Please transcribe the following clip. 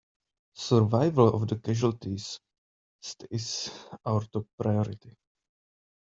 Survival of the casualties stays our top priority!